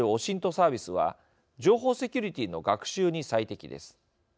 サービスは情報セキュリティーの学習に最適です。